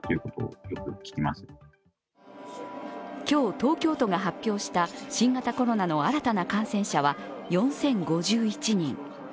今日、東京都が発表した新型コロナの新たな感染者は４０５１人。